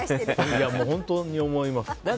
本当に思います。